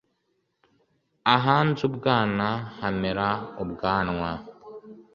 Ahanze ubwana hamera ubwanwa.